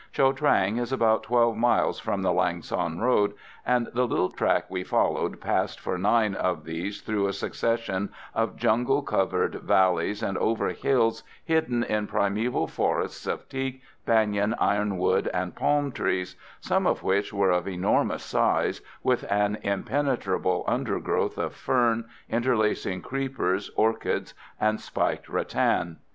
Cho Trang is about 12 miles from the Lang son road, and the little track we followed passed for nine of these through a succession of jungle covered valleys, and over hills hidden in primeval forests of teak, banyan, ironwood and palm trees, some of which were of enormous size, with an impenetrable undergrowth of fern, interlacing creepers, orchids and spiked rattan.